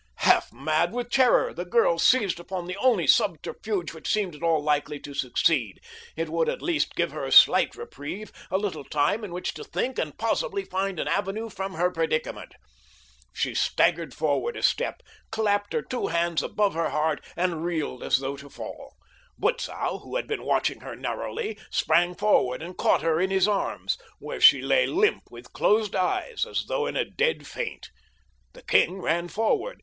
Half mad with terror, the girl seized upon the only subterfuge which seemed at all likely to succeed. It would, at least, give her a slight reprieve—a little time in which to think, and possibly find an avenue from her predicament. She staggered forward a step, clapped her two hands above her heart, and reeled as though to fall. Butzow, who had been watching her narrowly, sprang forward and caught her in his arms, where she lay limp with closed eyes as though in a dead faint. The king ran forward.